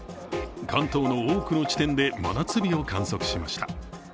関東の多くの地点で真夏日を観測しました。